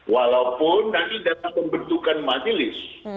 walaupun nanti dapat membentukkan majelis